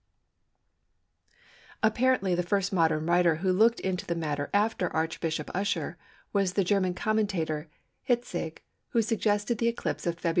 C. Apparently the first modern writer who looked into the matter after Archbishop Usher was the German commentator Hitzig who suggested the eclipse of Feb.